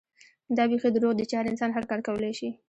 دا بيخي دروغ دي چې هر انسان هر کار کولے شي